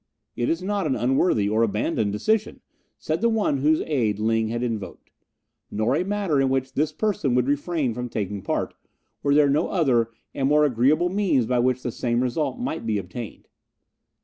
"It is not an unworthy or abandoned decision," said the one whose aid Ling had invoked, "nor a matter in which this person would refrain from taking part, were there no other and more agreeable means by which the same results may be attained.